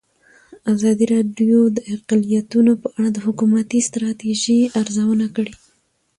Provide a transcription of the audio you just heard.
ازادي راډیو د اقلیتونه په اړه د حکومتي ستراتیژۍ ارزونه کړې.